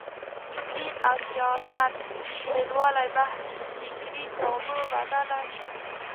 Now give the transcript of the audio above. دین او سیاست بېلوالي بحث فکري تابو بدله شي